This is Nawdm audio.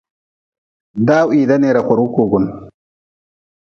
Daw hii daneera korgu kugun.